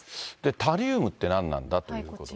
タリウムってなんなんだということで。